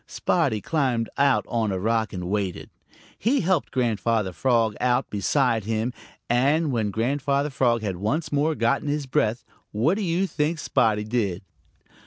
Spotty climbed out on a rock and waited. He helped Grandfather Frog out beside him, and when Grandfather Frog had once more gotten his breath, what do you think Spotty did?